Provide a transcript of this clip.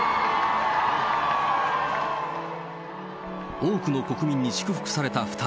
多くの国民に祝福された２人。